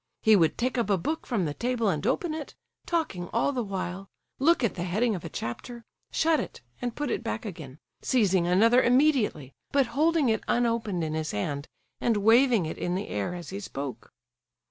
He would take up a book from the table and open it—talking all the while,—look at the heading of a chapter, shut it and put it back again, seizing another immediately, but holding it unopened in his hand, and waving it in the air as he spoke.